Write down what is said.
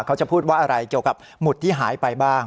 เขาจะพูดว่าอะไรเกี่ยวกับหมุดที่หายไปบ้าง